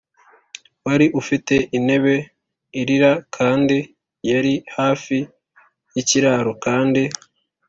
wari ufite intebe irira kandi yari hafi yikiraro kandi